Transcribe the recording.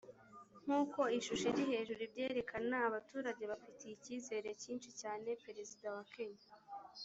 nk uko ishusho iri hejuru ibyerekana abaturage bafitiye icyizere cyinshi cyane perezida wa kenya